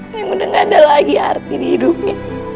yang udah gak ada lagi arti di hidupnya